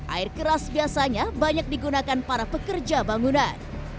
air keras biasanya banyak digunakan para pekerja bangunan